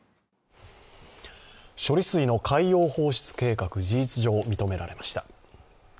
処理水の海洋放出計画事実上、認められました。